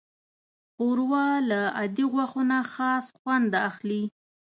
ښوروا له عادي غوښو نه خاص خوند اخلي.